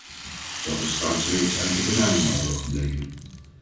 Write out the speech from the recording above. Dat is trouwens reeds uit de "bananenoorlog" gebleken.